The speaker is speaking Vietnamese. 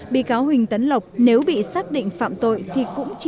bị cáo huỳnh tấn lộc nếu bị xác định phạm tội thì cũng chỉ